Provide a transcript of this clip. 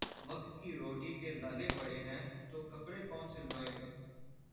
وقت کی روٹی کے لالے پڑے ہیں تو کپڑے کون سلوائے گا